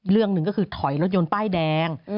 เรื่องหนึ่งก็คือถอยรถยนต์ป้ายแดง